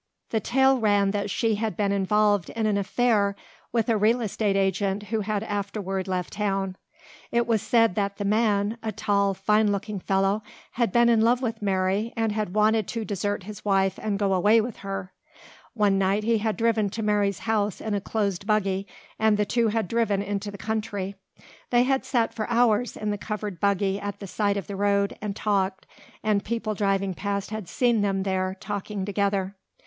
The tale ran that she had been involved in an affair with a real estate agent who had afterward left town. It was said that the man, a tall, fine looking fellow, had been in love with Mary and had wanted to desert his wife and go away with her. One night he had driven to Mary's house in a closed buggy and the two had driven into the country. They had sat for hours in the covered buggy at the side of the road and talked, and people driving past had seen them there talking together.